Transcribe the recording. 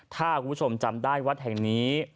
ถ้าคุณผู้ชมจำได้วัดแห่งนี้